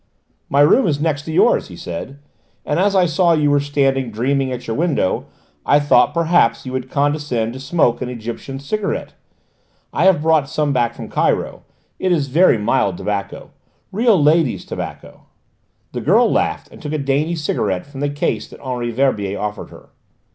"My room is next to yours," he said, "and as I saw you were standing dreaming at your window I thought perhaps you would condescend to smoke an Egyptian cigarette. I have brought some back from Cairo: it is very mild tobacco real ladies' tobacco." The girl laughed and took a dainty cigarette from the case that Henri Verbier offered her.